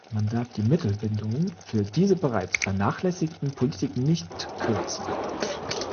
Man darf die Mittelbindungen für diese bereits vernachlässigten Politiken nicht kürzen.